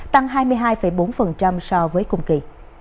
tăng hai mươi hai bốn so với cùng kỳ